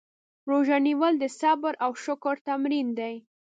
روژه نیول د صبر او شکر تمرین دی.